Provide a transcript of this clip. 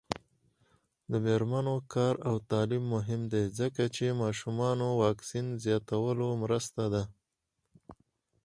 د میرمنو کار او تعلیم مهم دی ځکه چې ماشومانو واکسین زیاتولو مرسته ده.